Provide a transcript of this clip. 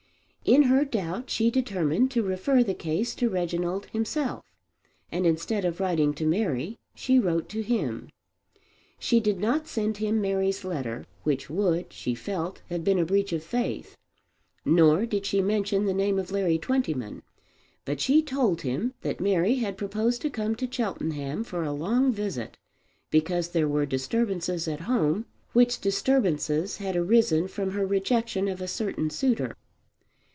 In her doubt she determined to refer the case to Reginald himself, and instead of writing to Mary she wrote to him. She did not send him Mary's letter, which would, she felt, have been a breach of faith; nor did she mention the name of Larry Twentyman. But she told him that Mary had proposed to come to Cheltenham for a long visit because there were disturbances at home, which disturbances had arisen from her rejection of a certain suitor.